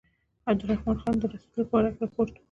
د عبدالرحمن خان د رسېدلو په باره کې رپوټ و.